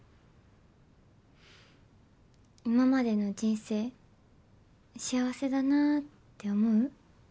今までの人生幸せだなって思う？